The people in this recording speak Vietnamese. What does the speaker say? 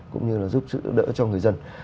cũng như là giúp giúp đỡ cho người dân